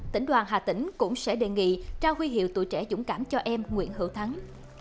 tỉnh đoàn hà tĩnh cũng sẽ đề nghị trao huy hiệu tuổi trẻ dũng cảm cho em nguyễn hữu thắng